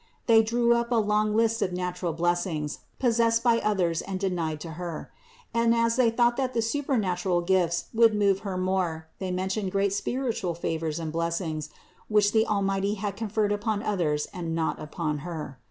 They drew up a long list of natural blessings possessed by others and denied to Her. And as they thought that supernatural gifts would move Her more, they mentioned great spiritual favors and blessings, which the Almighty had conferred upon others and not upon Her.